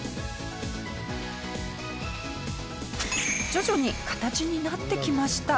徐々に形になってきました。